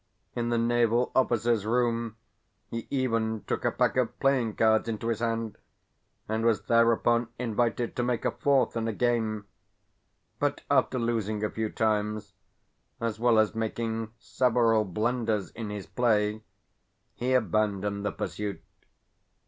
In the naval officer's room he even took a pack of playing cards into his hand, and was thereupon invited to make a fourth in a game; but after losing a few times, as well as making several blunders in his play, he abandoned the pursuit.